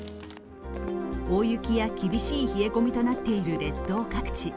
大雪や厳しい冷え込みとなっている列島各地。